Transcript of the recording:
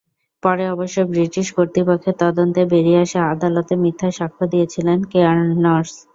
পরে অবশ্য ব্রিটিশ কর্তৃপক্ষের তদন্তে বেরিয়ে আসে আদালতে মিথ্যা সাক্ষ্য দিয়েছিলেন কেয়ার্নস।